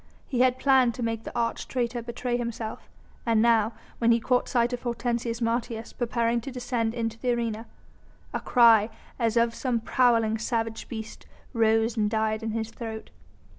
He had planned to make the arch traitor betray himself, and now, when he caught sight of Hortensius Martius preparing to descend into the arena, a cry as of some prowling, savage beast rose and died in his throat.